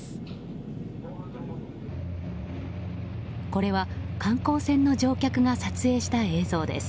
これは、観光船の乗客が撮影した映像です。